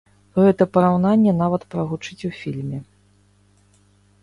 Гэта параўнанне нават прагучыць у фільме.